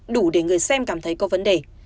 đủ để người xem cảm thấy có vấn đề